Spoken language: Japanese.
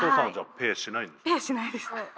ペーしないです。